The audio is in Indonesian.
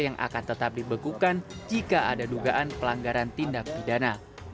yang akan tetap dibekukan jika ada dugaan pelanggaran tindak pidana